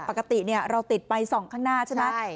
ปกติเราติดไปส่องข้างหน้าใช่ไหม